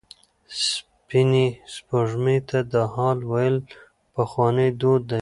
سپینې سپوږمۍ ته د حال ویل پخوانی دود دی.